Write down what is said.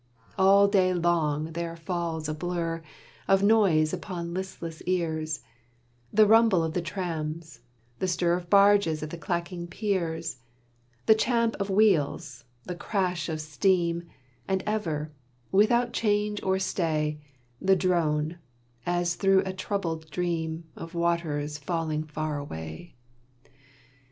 And all day long there falls a blur Of noises upon listless ears, The rumble of the trams, the stir Of barges at the clacking piers; The champ of wheels, the crash of steam, And ever, without change or stay, The drone, as through a troubled dream, Of waters falling far away.